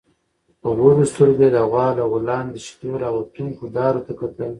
په وږو سترګويې د غوا له غولانځې د شيدو راوتونکو دارو ته کتل.